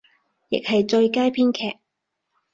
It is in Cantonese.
亦係最佳編劇